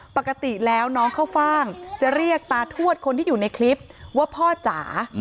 ปกติแล้วน้องเข้าฟ่างจะเรียกตาทวดคนที่อยู่ในคลิปว่าพ่อจ๋า